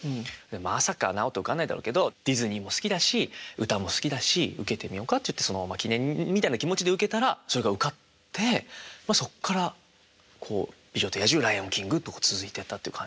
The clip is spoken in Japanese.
「まさか直人受かんないだろうけどディズニーも好きだし歌も好きだし受けてみようか」っていってそのまま記念みたいな気持ちで受けたらそれが受かってまあそっから「美女と野獣」「ライオンキング」と続いてったっていう感じ。